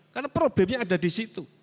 karena problemnya ada di situ